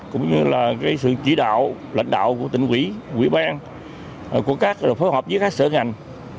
cũng như là sự chỉ đạo lãnh đạo của tỉnh quỹ quỹ ban của các phối hợp với các sở ngành